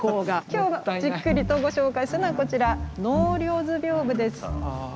今日じっくりとご紹介するのはこちら「納涼図風」です。